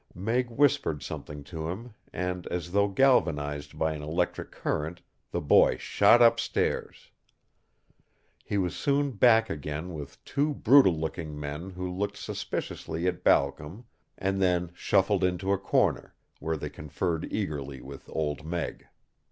Meg whispered something to him, and, as though galvanized by an electric current, the boy shot up stairs. He was soon back again with two brutal looking men who looked suspiciously at Balcom and then shuffled into a corner, where they conferred eagerly with Old Meg.